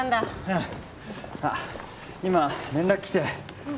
うんあっ今連絡来て